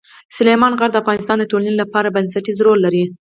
سلیمان غر د افغانستان د ټولنې لپاره بنسټيز رول لري.